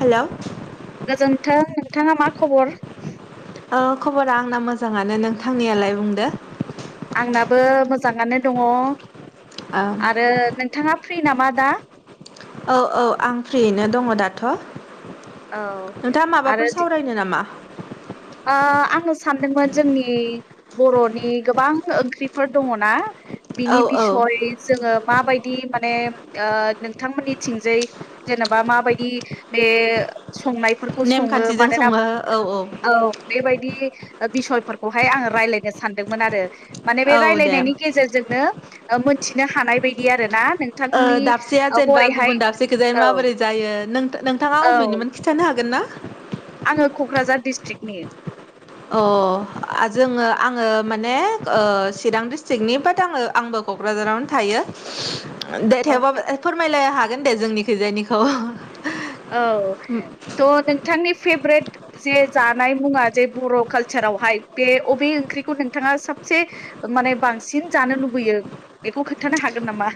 Hello ओ गोजोन्थों नोंथाङा मा खबर हा खबरा आंना मोजाङानो नोंथांनियालाय बुंदो। आंनाबो मोजाङानो दङ औ आरो नोंथाङा। फ्रि नामा दा। औ औ आं फ्रियैनो दङ दाथ'। औ नोंथाङा आरो माबाफोर दि सावरायनो नामा? ओ आङो सानदोंमोन जोंनि बर'नि गोबां ओंख्रिफोर दङना औ बिनि औ बिसय जोङो माबायद नि माने नोंथांमोननि थिंजाय जेनेबा माबायदि बे संनायफोरखौ सङो नेमखान्थिजों मानोना सङो औ औ बेबायदि बिसयफोरखौहाय आङो रायज्लायनो सानदोंमोन आरो माने बे औ दे रायलायनायनि गेजेरजोंनो मिथिनो हानाय बायदि आरो ना ओ नोंथांनि दाबसेया ओ जेनेबा हरैहाय गुबुन दाबसेखौजाय औ माबोरै जायो नोंथा नोंथाङा औ अबेनिमोन खिन्थानो हागोन ना। आङो क'क्राझार डिस्ट्रिक्टनि अ जोङो आङो माने चिरां डिस्ट्रिकनि बाद आङो आंबो क'क्राझारावनो थायो। दे थेवबो अके फोरमायलायनो हागोन दे जोंनि खैजायनिखौ। औ थ' नोंथांनि फेभ्रेट जे जानाय मुङा जे बर' कालसारावहाय बे अबे ओंख्रिखौ नोंथाङा साफ -से माने बांसिन जानो लुबैयो बेखौ खोन्थानो हागोन नामा।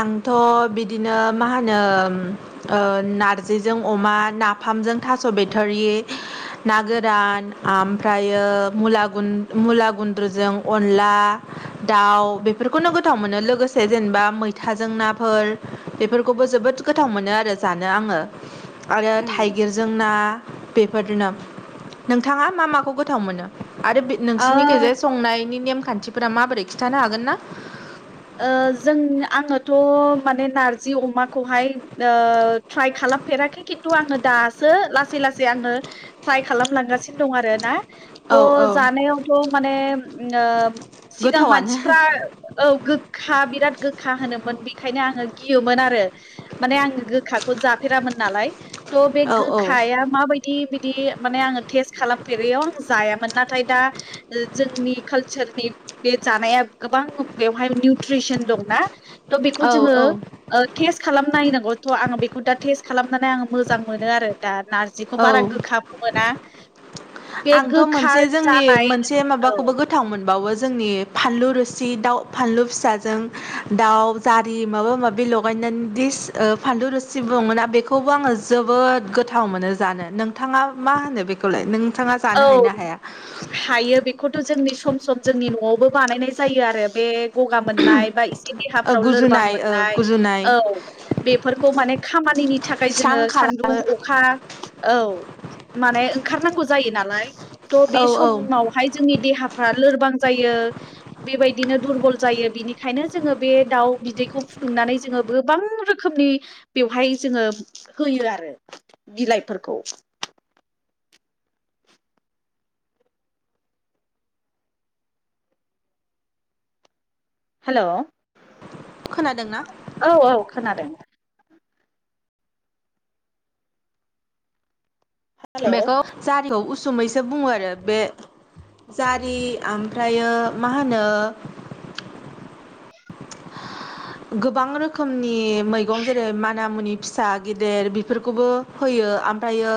आंथ बिदिनो मा होनो उम नारजिजों अमा नाफाम फाम्पजों थास' बिथ'रि- ना गोरान ओमफ्रायो मुला मुला गुन्द्रुजों अनला दाउ बेफोरखौनो गोथाव मोनो लोगोसे जेनेबा मै थाजों नाफोर बेफोरखौबो जोबोद गोथाव मोनो आरो जानो आङो आरो उम थाइगिरजों ना बेफोरनो नोंथाङा मा माखौ गोथाव मोनो आरो बे नोंसिनि ओ गेजेर संनायनि नेमखान्थिफोरा माबोरै खिन्थानो हागोन ना। जों आङोथ' माने नारजि अमाखौहाय ट्राइ खालाम खालामफेराखै खिन्थु आङो दासो लासै लासै आङो ट्राइ खालामलांगासिनो दं आरो ना औ औ त' जानायावथ' माने ओम सिगां गोथावानो मानसिफ्रा औ। गोखा बिराद गोखा होनोमोन बेखायनो आङो गियोमोन आरो माने आङो गोखाखौ जाफेरामोन नालाय थ' बे औ गोखाया माबायदि बिदि माने आङो टेस्ट खालामफेरैयाव आं जाया नाथाय दा जोंनि कालचारनि बे जानाया गोबां बेवहाय नि ट्रिसोन दं ना थ' बेखौ औ जोङो औ ओ टेस खालामनायनांगौ त आङो बेखौ -खौदा टेस्ट खालामनानै आं मोजां मोनो आरो दा नारजिखौ बारा औ गोखाबो मोना बे आंथ' गोखा मोनसे जोंनि जानाय मोनसे माबाखौबो औ गोथाव मोनबावो जोंनि फानलु रोसि दाउ फानलु फिसाजों दाउ जारि माबा माबि लगायनानै दि -सि फानलु रुसि बुङोना बेखौबो आङो जोबोद गोथाव मोनो जानो नोंथाङा मा होनो बेखौलाय नों? औ हायो बेखौथ' जोंनि सम सम जोंनि न'आवबो बानायनाय जायो आरो बे गगा मोननाय बा एसे ओ देहाफ्राव लोरबां गुजुनाय ओ मोननाय गुजुनाय औ बेफोरखौ माने खामा खानिनि थाखाय स्रां जोङो खालामो सान्दुं अखा औ माने ओंखारनांगौ जायो नालाय थह बे औ औ समावहाय जोंनि देहाफ्रा लोरबां जायो। बेबायदिनो दुरबल जायो बिनिखायनो जोङो बे दाउ बिदैखौ फुदुंनानै जोङो बोबां गोबां रोखोमनि बेवहाय जोङो होयो आरो बिलाइफोरखौ [inaudible] हेल' खोनादोंना औ औ खोनादों हेल' बेखौ जारिखौ उसुमैसो बुङो आरो बे जारि आमफ्रायो मा होनो [inaudible] गोबां रोखोमनि मैगं जेरै माना मुनि फिसा गेदेर बेफोरखौबो होयो ओमफ्रायो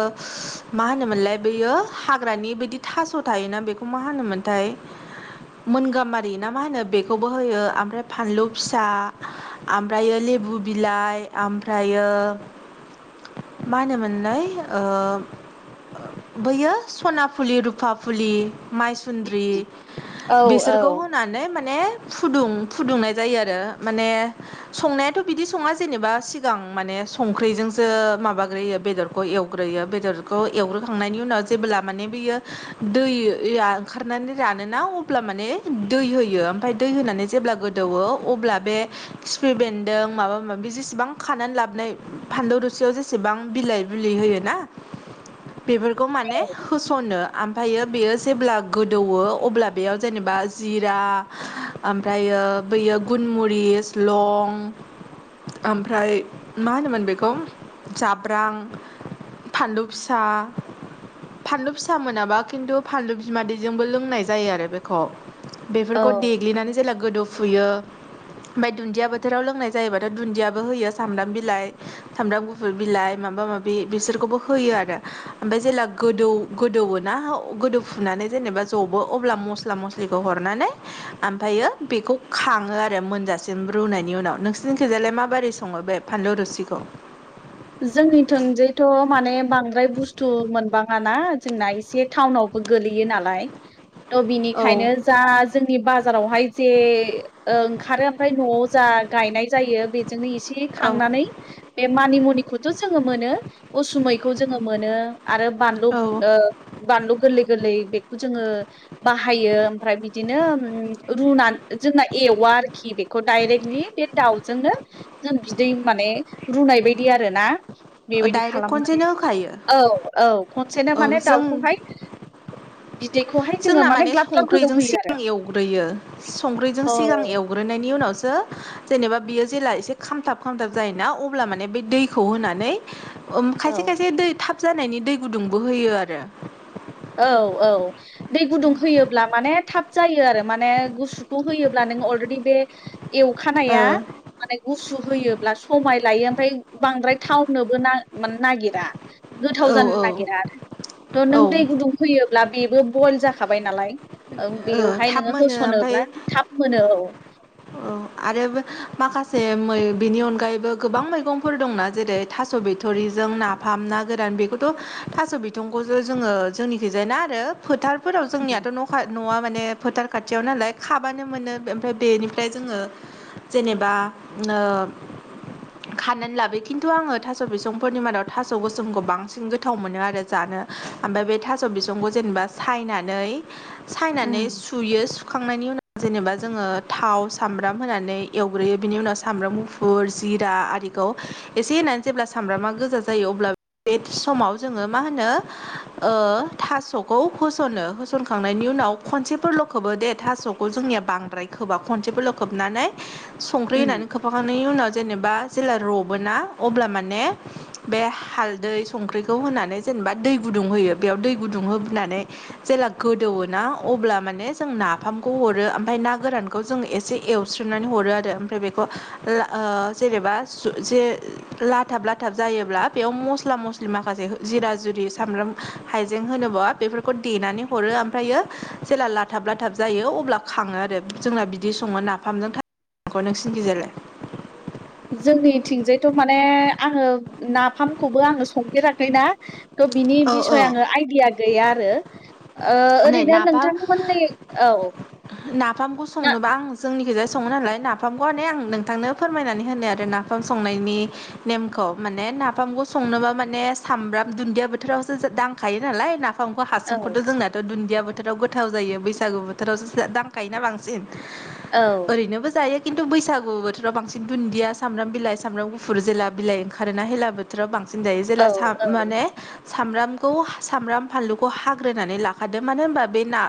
मा होनोमोनलाय बेयो हाग्रानि बायदि थास' थायोना बेखौ मा होनोमोन? मोनथाय मोनगाामारि ना मा होनो बेखौबो होयो ओमफ्राय फानलु फिसा आमफ्रायो लेबु बिलाइ ओमफ्रायो मा होनो मोनलाय ओ बैयो सना फुलि रुफा फुलि माइसुन्द्रि औ बिसोरखौ औ होनानै माने फुदुं फुदुंनाय जायो आरो माने संनायाथ' बिदि सङा जेनेबा सिगां माने संख्रै जोंसो ओ माबाग्रोयो बेदरखौ एवग्रोयो बेदरखौ एवग्रोखांनायनि उनाव जेबोब्ला माने बियो दैया ओंखारनानै रानोना अब्ला माने दै होयो ओमफाय दै होनानै जेब्ला गोदो -दौवो अब्ला बे खिफि बेन्दों माबा माबि जेसेबां खानानै लाबनाय फानलु रो सेयाव जेसेबां बिलाइ बिलि होयोना बेफोरखौ माने होस'नो आमफायो बेयो जेब्ला गोदौवो अब्ला बेयाव जेनेबा जिरा ओमफ्रायो बैयो गुनमुरिस लं ओमफ्राय मा होनोमोन बेखौ जाब्रां फानलु फिसा फानलु फिसा मोनाबा खिन्थु फानलु बिमादैजोंबो लोंनाय जायो आरो बेखौ औ बेफोरखौ देग्लिनानै जेला गोदौफुयो ओमफ्राय दुन्दिया बोथोराव लोंनाय जायोबाथ' दुन्दियाबो होयो सामब्राम बिलाइ सामब्राम गुफुर बिलाइ माबा माबि बिसोरखौबो होयो आरो ओमफाय जेला गोदौ गोदौवोना गोदौ फुनानै जेनेबा जबो अब्ला मस्ला मस्लिखौ हरनानै आमफ्रायो बेखौ खाङो आरो मोनजासिम रुनायनि उनाव नोंसिनिखिजालाय माबोरै सङो बे फानलु रुसिखौ जोंनिथिंजायथ' नङ ना जोंना एसे टाउनावबो गोलैयो नालाय त औ बिनिखायनो जा जोंनि बाजारावहाय जे ओंखारो ओमफ्राय न'आव जा गायनाय जायो बेजोंनो एसे औ खांनानै बे मानि मुनि जोङो मोनो उसुमैखौ जोङो मोनो आरो बानलु औ ओ बानलु गोरलै गोरलै जोङो बाहायो ओमफ्राय बिदिनो ओ रुनानै जोंना एवा आरोखि बेखौ डायरेक्टलि बे दाउजोंनो जों बिदि दै माने रुनाय बायदि आरो ना बेबायदि डाइरेक्ट खालामनानै खनसेनो होखायो औ औ खनसेनो औ माने जों दाउखौहाय बिदैखौहाय जोङो जोंना माने ग्लाब ग्लाब गोदौ संख्र्रिजों होयो आरो सिगां एवग्रोयो संखैजों औ सिगां एवग्रोनायनि उनाव जेनेबा बियो जेला एसे खामथाब खामथाब जायोना अब्ला बे दैखौ होनानै खायसे औ खायसे दै थाब जानायनि दै गुदुंबो होयो आरो औ औ दै गुदुं होयोब्ला माने थाब जायो आरो माने गुसुखौ होयोब्ला नोङो अलरेडि बे एवखानाया माने गुसु होयोब्ला समाय लायो ओमफ्राय बांद्राय टाउनोबो ना नागिरा गोथाव ओ औ जानो नागिरा आरो थ' औ नों दै ओ गुदुं फैयोब्ला बेबो बयेल जाखाबाय नालाय ओं बेवहाय थाब नोङो मोनो ओमफ्राय होसनोब्ला थाब मोनो औ औ आरो माखासे जे बिनि अनगायैबो गोबां मैगंफोर दंना जेरै थास' बिथ'रिजों नाफाम ना गोरान बेखौथ' थास' बिथंखौसो जोङो जोंनिखौ जाय ना आरो फोथारफोराव जोंनियाथ' न'खा न'आ माने फोथार खाथियाव नालाय खाबानो मोनो ओमफ्राय बेनिफ्राय जोङो जेनेबा खानानै लाबो खिन्थु आङो थास' बिसंफोरनि मादाव थास' गोसोमखौ बांसिन गोथाव मोनो आरो जानो ओमफ्राय बे थास' बिसंखौ जेनेबा सायनानै सायनानै उम सुयो सुखांनायनि उनाव जेनेबा जोङो थाव सामब्राम होनानै एवग्रोयो बिनि उनाव सामब्राम गुफुर जिरा -निखौ एसे होनानै जेब्ला सामब्रामा गोजा जायो अब्ला बे समाव जोङो मा होनो ओ थास'खौ होस'नो होस'नखां -नायनि उनाव खनसेफोरल' खोबो दे थास'खौ जोंनिया बांद्राय खोबा खनसेफोरल' खोबनानै संख्रि उम होनानै खोबफाखांनायनि उनाव जेनेबा जेला रबोना अब्ला माने बे हालदै संख्रिखौ होनानै जेन जेनेबा दै गुदुं होयो बेयाव दै गुदुं होनानै जेला गोदौवो ना अब्ला माने जों नाफामखौ हरो ओमफ्राय ना गोरानखौ जों एसे एवस्रिनानै हरो हरो आरो ओमफ्राय बेखौ जेनोबा जे लाथाब लाथाब जायोब्ला बेयाव मस्ला मस्लि माखासे जिरा जुरि सामब्राम हाइजें होनोबा बेफोरखौ देनानै हरो ओमफ्रायो जेला लाथाब लाथाब जायो अब्ला खाङो आरो जोंना बिदि सङो नाफामजों खौ नोंसिन थिंजालाय जोंनिथिंजायथ' माने आङो नाफामखौबो आङो संफेराखैना थ' बिनि औ बिसय आङो आइडिया गैया आरो नै ओरैनो नाफाम नोंथांमोननै औ नाफामखौ ना संनोबां आं जोंनि सो सङो नालाय नाफामखौ नोंथांनो फोरमनानै होनो आरो नाफाम संनायनि नेमखौ माने नाफामखौ संनोबा माने सामब्राम दुन्दिया बोथोरावसो दांखायो नालाय नाफाम बिफांखौ औ हासुंखौथ' जोंनाथ' दुदिया बोथोराव गोथाव जायो बैसागु बोथोरावसो दांखायोना बांसिन औ ओरैनोबो जायो खिन्थु बैसागु बोथोराव बांसिन दुन्दिया सामब्र बिलाइ सामब्र गफुर जेला बिलाइ ओंखारोनाेला बोथाव बांसिन दायो जेला औ सा औ माने सामब्रामखौ सामब्राम फानलुखौ हाग्रोनानै लाखादों मानो होनबा बे ना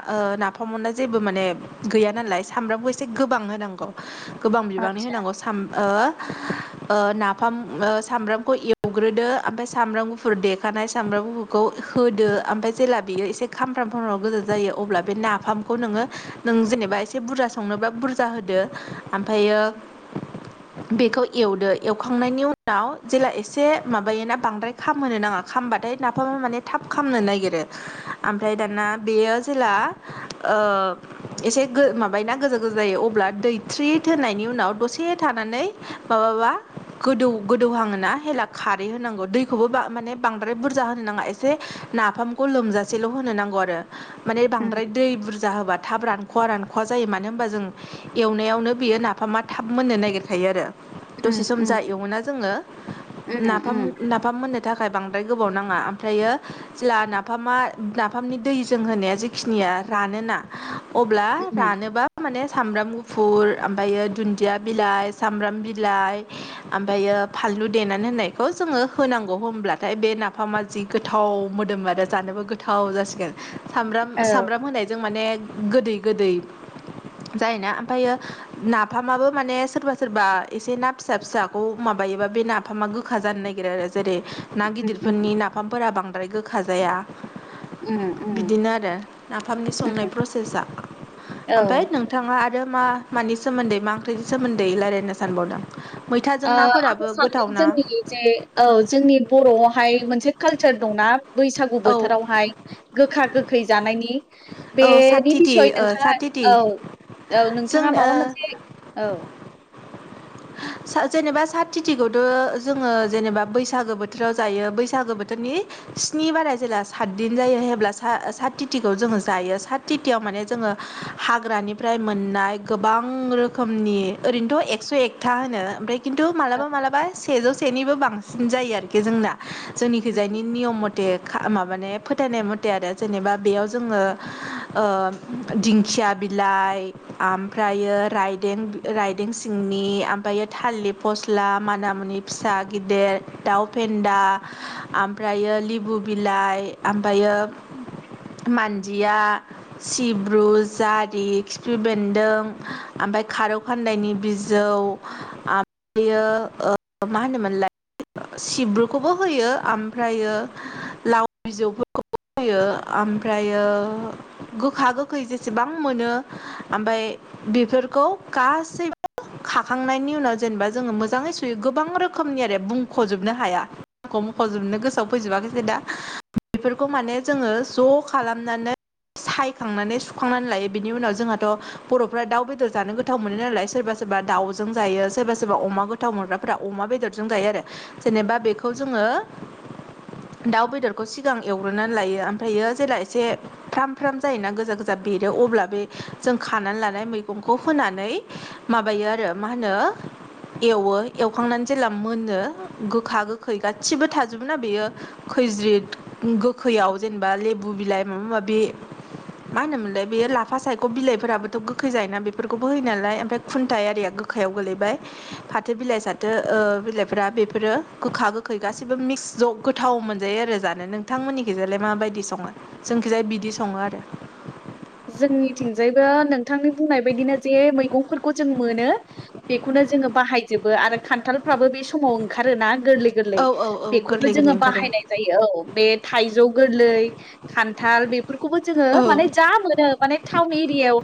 नाफामा जे फोरबो माने गैया नालाय सामब्रामखौ एसे गोबां होनांगौ गोबां बिबांनि आतसा होनांगौ साम ओ ओ नाफाम ओ सामब्रामखौ एवग्रोदो ओमफफ्राय सामब्राम गुफुर देखानाय सामब्राम गुफुरखौ होदो ओमफ्राय जेब्ला बियो एसे खामफ्राम खामफ्राम गोजा जायो अब्ला बे नाफाम खौ नोङो नों जेनेबा एसे बुरजा संनोबा बुरजा होदो ओमफ्रायो बेखौ एवदो एवखांनायनि उनाव जेला एसे माबायोना बांद्राय खामहो नाङा खाम बाथाय नाफाम माने थाब खालामनो नागिरो ओमफ्राय दाना बेयो जेला ओ एसे माबायोना एसे गोजा गोजा जायो अब्ला दै थ्रिद होननायनि उनाव दसे थाना मानै माबाबा गोदौ गोदौहाङोना हेला खारै होनांगौ दैखौबो बा माने बांद्राय बुरजा होनो नाङा एसे नाफामखौ लोमजासेल' होनो नांगौ आरो माने उम बांद्राय दै बुरज थाब रानख'वा रानख'वा जायो मानो होनबा जों एवनायावनो बियो नाफामा थाब मोननो नागिरखायो आरो उम दसे सम उम जा एवोना जोङो उम नाफाम उम नाफाम मोननो थाखाय थाखाय बांद्राय गोबाव नाङा ओमफ्रायो जेला नाफामा नाफामनि दैजों होनाया जेखिनिया रान अ उम रानोबा माने सामब्राम गु गुफुर ओमफ्रायो दुन्दिया बिलाइ सामब्राम बिलाइ ओमफ्रायो फानलु देनानै होननायखौ जोङो होनांगौ होनब्लाथाय बे नाफामा जि गोथाव मोदोम आरो जानोबो गोथाव जा सामब्राम औ सामब्राम होनायजों माने गोदै गोदै जायोना ओमफ्रायो नाफामाबो माने सोरबा सोरबा एसे ना फिसा फिसाखौ माबा माबायोबा बे नाफामा गोखा जानो नागिरो आरो जेरै ना उम गिदिरफोरनि नाफामफोरा बांद्राय गोखा जाया उम उम बिदिनो आरो नाफामनि औ संनाय प्रसेसा ओ ओमफ्राय नोंथाङा आरो मा मानि सोमोन्दै मा ओंख्रिनि सोमोन्दै रायजलायनो सानबावदों मैथाजों आं नाफोराबो सानदों गोथावना जोंनि जे औ जोंनि बर'आवहाय मोनसे कालसार दंना बैसागु औ बोथोरावहाय गोखा गोखै जानायनि औ बेनि साथिथि बिसय ओ नोंथाङा साथिथि औ औ जों नोंथाङा माबा ओ मोनसे औ जेनेबा साथिथिखौथ' जोङो जेनेबा बैसागो बोथोराव जायो बैसागो बोथोरनि [inaudible] स्नि बाराय जेब्ला सातदिन जायो हेब्ला सात तिथिखौ जोङो जायो सात तिथियाव माने जोङो हाग्रानिफ्राय मोननाय गोबां रोखोमनि ओरैनोथ' एकस' एकथा होनो ओमफ्राय खिन्थ खिन्थु मालाबा मालाबा सेजौ सेनिबो बांसिन जायो आरोखि जोंना जोंनिखैजायनि नियम मथे मथे माबान फोथायनाय मथे आरो जेनेबा बेयाव जोङो दिंखि खुथिया बिलाइ ओमफ्रायो रायदें रायदें सिंनि ओमफ्रायो थालिर फस्ला माना मुनि फिसा गिदेर दाउफेन्दा ओमफ्रायो लिब [unintelligible] बु बिलाइ ओमफ्रायो मानजिया सिब्रु जारि खिफि बेन्दों ओमफ्राय खारौखान्दायनि बिजौ ओमफ्रायो मा ओ होनोमोनलाय सिब्रुखौबो होयो ओमफ्रायो लाव बिजौफोरखौ जायो ओमफ्रायो गोखा गोखै जेसेबां मोनो ओमफ्राय बेफोरखौ गासैबो खाखांनायनि उनाव जेनेबा जोङो मोजाङै सुयो गोबां रोखोमनि आरो बुंख'जोबनो हाया मख'जोबनो गोसोआव फैजोबाखैसै दा बेफोरखौ माने जोङो ज' खालामनानै सायखांनानै सुखांनानै लायो बिनि उनाव जोंहाथ' बर'फ्रा दाउ बेदर जानो गोथाव मोनो नालाय सोरबा सोरबा बा दाावजों जायो सोरबा सोरबा अमा गोथाव मोनग्राफोरा अमा बेदरजों जायो आरो जेनेबा बेखौ जोङो ओ दाउ बेदरखौ सिगां एवग्रोनानै लायो ओमफ्रायो जेला एसे फ्राम फ्राम जायोना गोजा गोजा बेरो अब्ला बे जों खानानै लानाय मैगंखौ होनानै माबायो आरो मा होनो एवो एवखांनानै जेब्ला मोनो गोखा गोखै गासिबो थाजोबो ना बेयो खैज्रिद गोखैयाव जेनेबा लेबु बिलाइ माबा माबि मा होनोमोनलाय बेयो लाफा सायख' बिलाइफोराबोथ' गोखै जायोना बेफोरखौबो होयो नालाय ओमफ्राय खुन्थाय आरिया गो गोखायाव गोलैबाय फाथो बिलाइ साथो बिलाइफ्रा बेफोरो गोखा गोखै गासिबो मिक्स ज' गोथाव मोनजायो आरो जानो नोंथांमोननिखिजालाय माबायदि सङो जोंखिजाया बिदि सङो आरो [inaudible] जोंनिथिंजायबो नोंथांनि बुंनाय बायदिनो जे मैगंफोरखौ जों मोनो बेखौनो जोङो बाहायजोबो आरो खान्थालफ्राबो बे समाव ओंखारोना गोरलै गोरलै औ औ बेखौबो गोरलै जोङो गोरलै ओंखारो बाहायनाय जायो औ बे थायजौ गोरलै खान्थाल बेफोरखौबो जोङो औ माने जा मोन थाउन एरिया आव